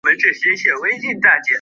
也称作镰仓八幡宫。